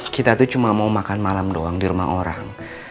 kita tuh cuma mau makan malam doang di rumah orang